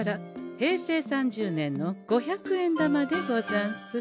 平成３０年の五百円玉でござんす。